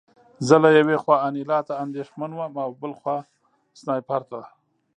زه له یوې خوا انیلا ته اندېښمن وم او بل خوا سنایپر ته